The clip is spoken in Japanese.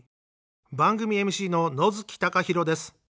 番組ＭＣの野月貴弘です。